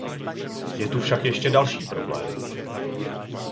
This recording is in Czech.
Je tu však ještě další problém.